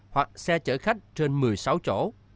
hoặc xe chở khách trên một mươi sáu chỗ